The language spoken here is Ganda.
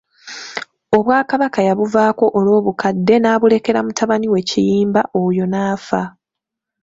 Obwakabaka yabuvaako olw'obukadde n'abulekera mutabani we Kiyimba oyo n'afa.